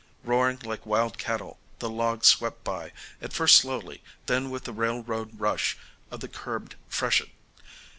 Roaring like wild cattle the logs swept by, at first slowly, then with the railroad rush of the curbed freshet.